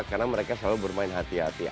karena mereka selalu bermain hati hati